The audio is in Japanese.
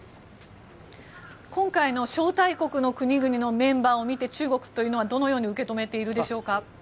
今回の招待国の国々のメンバーを見て中国というのはどのように受け止めているでしょうか？